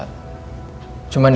yang jelas yang saya tahu banget